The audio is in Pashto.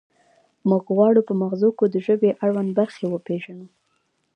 موږ غواړو په مغزو کې د ژبې اړوند برخې وپیژنو